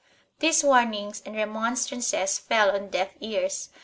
1 These warnings and remonstrances fell on deaf ears.